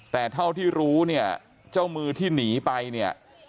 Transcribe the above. แต่เท่าที่รู้เนี่ยเจ้ามือที่หนีไปเนี่ย